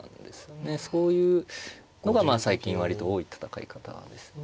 そういうのが最近割と多い戦い方ですね。